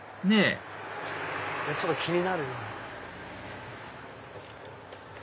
ねぇちょっと気になるな。